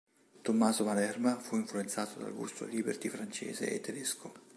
Tommaso Malerba fu influenzato dal gusto del Liberty francese e tedesco.